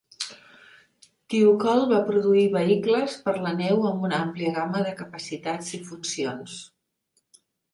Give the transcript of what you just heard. Thiokol va produir vehicles per a la neu amb una àmplia gamma de capacitats i funcions.